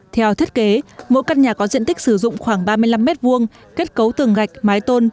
theo thiết kế mỗi căn nhà có diện tích sử dụng khoảng ba mươi năm m hai kết cấu tường gạch mái tôn